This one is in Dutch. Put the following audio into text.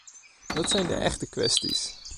Dat zijn de echte kwesties!